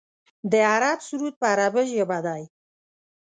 د عرب سرود په عربۍ ژبه دی.